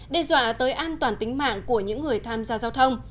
đe dọa tới an toàn tính mạng của những người tham gia giao thông